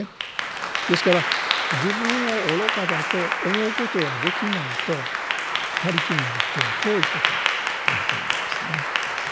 ですから自分を愚かだと思うことができないと「他力」の仏教は遠いことになると思いますね。